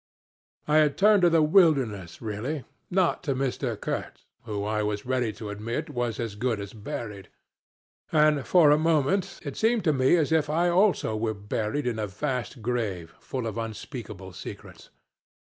"I had turned to the wilderness really, not to Mr. Kurtz, who, I was ready to admit, was as good as buried. And for a moment it seemed to me as if I also were buried in a vast grave full of unspeakable secrets.